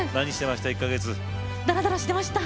だらだらしてました。